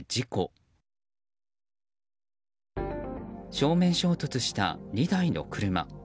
正面衝突した２台の車。